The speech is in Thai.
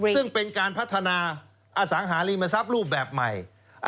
ซึ่งเป็นการพัฒนาอสังหาริมทรัพย์รูปแบบใหม่